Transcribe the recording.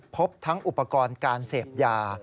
พบทั้งอุปกรณ์การเสพยา